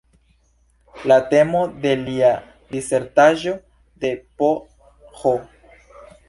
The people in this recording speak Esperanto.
La temo de lia disertaĵo de Ph.